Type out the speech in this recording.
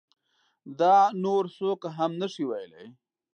دا نور څوک هم نشي ویلی.